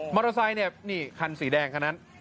อเตอร์ไซค์เนี่ยนี่คันสีแดงคันนั้น